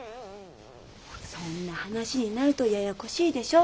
そんな話になるとややこしいでしょ。